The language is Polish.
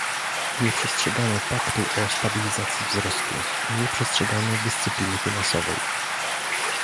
Nie przestrzegano paktu o stabilizacji wzrostu, nie przestrzegano dyscypliny finansowej